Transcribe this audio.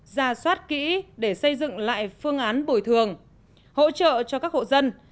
ra soát kỹ để xây dựng lại phương án bồi thường hỗ trợ cho các hộ dân